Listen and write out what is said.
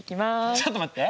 ちょっと待って。